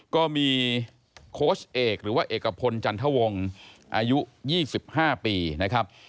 โค้ชเอกหรือว่าเอกพลจันทวงศ์อายุ๒๕ปีนะครับ